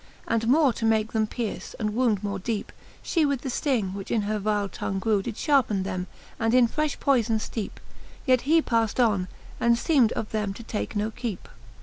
And more to make them pierce & wound more deepe, She with the fting, which in her vile tongue grew, • Did fharpen them, and in frefh poyfbn fteepe: Yet he paft on, and feem'd of them to take no keepe.